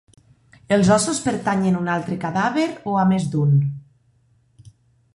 Els ossos pertanyen un altre cadàver o a més d'un?